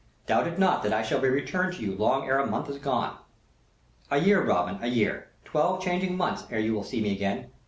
Doubt it not that I shall be returned to you long ere a month is gone." "A year, Robin, a year! Twelve changing months ere you will see me again.